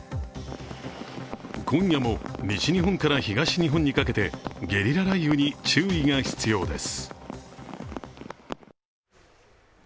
今夜も西日本から東日本にかけてゲリラ雷雨に注意が必要です。